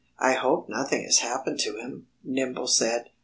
"I hope nothing has happened to him," Nimble said.